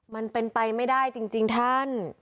มันเป็นไปไม่ได้จริงท่าน